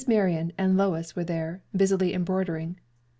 Marion and Lois were there, busily embroidering.